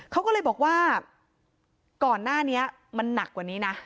เขาก็เลยบอกว่าก่อนหน้านี้มันหนักกว่านี้นะ